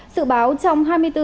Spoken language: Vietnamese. sự báo trong hai mươi bốn giờ